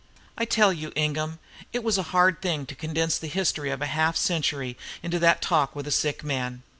"I tell you, Ingham, it was a hard thing to condense the history of half a century into that talk with a sick man.